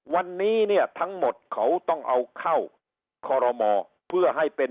วันนี้เนี่ยทั้งหมดเขาต้องเอาเข้าคอรมอเพื่อให้เป็น